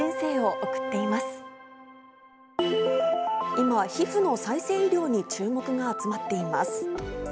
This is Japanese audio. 今皮ふの再生医療に注目が集まっています。